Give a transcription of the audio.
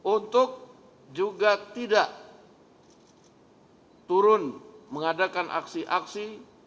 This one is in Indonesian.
untuk juga tidak turun mengadakan aksi aksi